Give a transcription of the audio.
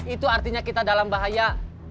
itu artinya kita dalam bahaya